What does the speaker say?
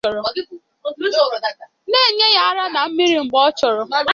na-enye ya ara na nri mgbe ọ chọrọ